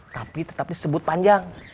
tapi tetap disebut panjang